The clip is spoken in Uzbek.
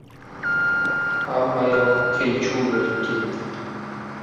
Hammayoq qiy-chuv bo‘lib ketdi.